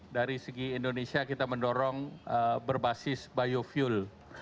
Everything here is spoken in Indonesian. dari segi indonesia kita mendorong berbasis biofuel